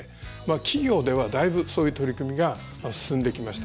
企業では、だいぶそういう取り組みが進んできました。